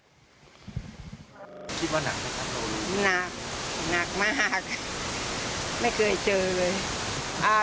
คิดว่าหนักไหมครับผมหนักหนักมากไม่เคยเจอเลยอ่า